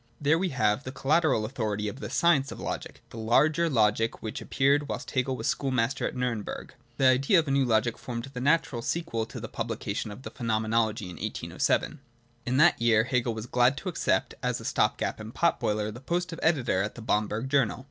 There we have the collateral authority of the 'Science of Logic/ the larger Logic which appeared whilst Hegel was schoolmaster at Niirnberg. The idea of a new Logic formed the natural sequel to the publication of the Phenomenology in 1807. In that year Hegel was glad to accept, as a stop gap and pot boiler, the post of editor of the Bamberg Journal.